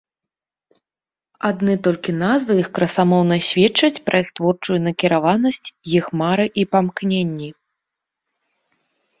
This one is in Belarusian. Адны толькі назвы іх красамоўна сведчаць пра іх творчую накіраванасць, іх мары і памкненні.